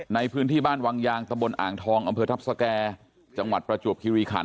ในพื้นที่บ้านวังยางตะบนอ่างทองอำเภอทัพสแก่จังหวัดประจวบคิริขัน